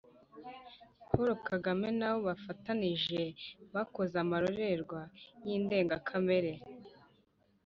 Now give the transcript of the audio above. paul kagame n'abo bafatanije bakoze amarorerwa y'indengakamere.